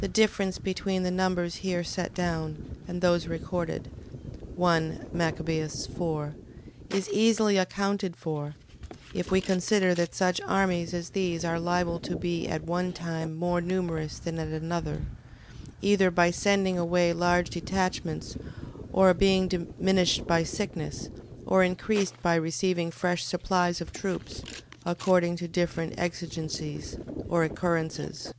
The difference between the numbers here set down, and those recorded, 1 Mac. 4, is easily accounted for; if we consider that such armies as these are liable to be at one time more numerous than at another; either by sending away large detachments, or being diminished by sickness; or increased by receiving fresh supplies of troops, according to different exigencies or occurrences.